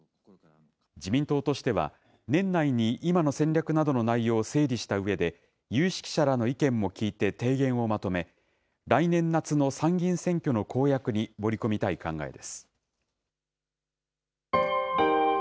自民党としては、年内に今の戦略などの内容を整理したうえで、有識者らの意見も聞いて提言をまとめ、来年夏の参議院選挙の公約に盛り込みたい考えです。